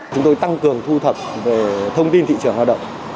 chúng tôi tăng cường thu thập về thông tin thị trường lao động